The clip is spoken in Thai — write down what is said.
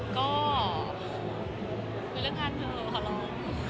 ก็คือไม่เรื่องงานเพิ่มขอร้อง